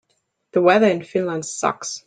The weather in Finland sucks.